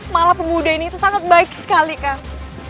malah pemuda ini sangat baik sekali kikumu